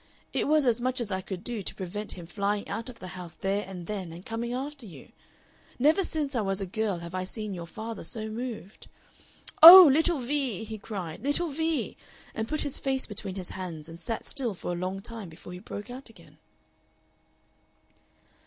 It was as much as I could do to prevent him flying out of the house there and then and coming after you. Never since I was a girl have I seen your father so moved. 'Oh! little Vee!' he cried, 'little Vee!' and put his face between his hands and sat still for a long time before he broke out again."